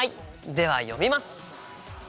では読みます！